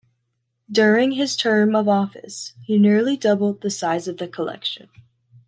During his term of office he nearly doubled the size of the collection.